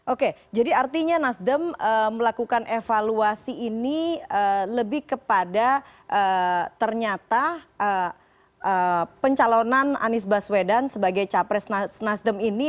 oke jadi artinya nasdem melakukan evaluasi ini lebih kepada ternyata pencalonan anies baswedan sebagai capres nasdem ini